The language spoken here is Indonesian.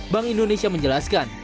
bank indonesia menjelaskan